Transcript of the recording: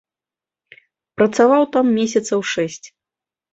Працаваў там месяцаў шэсць.